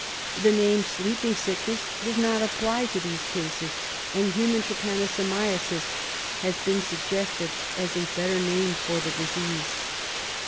The name sleeping sickness does not apply to these cases, and human trypanosomiasis has been suggested as a better name for the disease.